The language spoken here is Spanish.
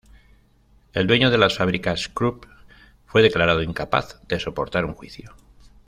El dueño de las fábricas Krupp fue declarado incapaz de soportar un juicio.